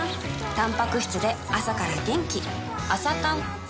たんぱく質で朝から元気